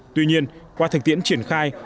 tuy nhiên qua thực tiễn triển khai